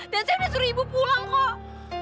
dan saya udah suruh ibu pulang kok